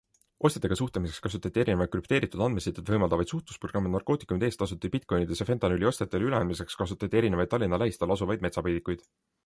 Ostjatega suhtlemiseks kasutasid erinevaid krüpteeritud andmesidet võimaldavaid suhtlusprogramme, narkootikumide eest tasuti bitcoin'ides ja fentanüüli ostjatele üle andmiseks kasutati erinevaid Tallinna lähistel asuvaid metsapeidikuid.